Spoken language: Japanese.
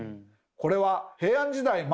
これは平安時代